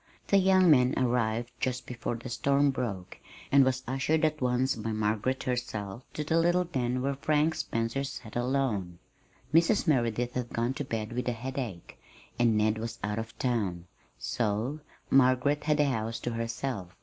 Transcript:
The young man arrived just before the storm broke, and was ushered at once by Margaret herself to the little den where Frank Spencer sat alone. Mrs. Merideth had gone to bed with a headache, and Ned was out of town, so Margaret had the house to herself.